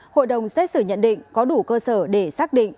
hội đồng xét xử nhận định có đủ cơ sở để xác định